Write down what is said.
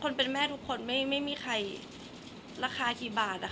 คนเป็นแม่ทุกคนไม่มีใครราคากี่บาท